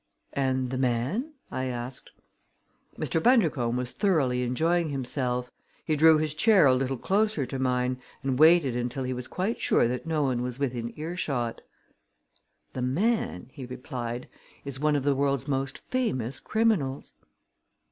"And the man?" I asked. Mr. Bundercombe was thoroughly enjoying himself. He drew his chair a little closer to mine and waited until he was quite sure that no one was within earshot. "The man," he replied, "is one of the world's most famous criminals."